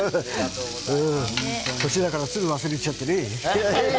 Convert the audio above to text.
年だからすぐ忘れちゃってね。